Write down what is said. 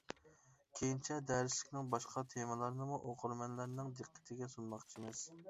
كېيىنچە دەرسلىكنىڭ باشقا تېمىلارنىمۇ ئوقۇرمەنلەرنىڭ دىققىتىگە سۇنماقچىمىز.